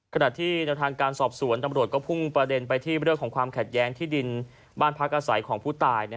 ขณะที่แนวทางการสอบสวนตำรวจก็พุ่งประเด็นไปที่เรื่องของความขัดแย้งที่ดินบ้านพักอาศัยของผู้ตาย